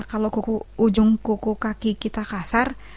kalau ujung kuku kaki kita kasar